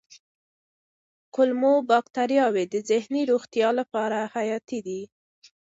کولمو بکتریاوې د ذهني روغتیا لپاره حیاتي دي.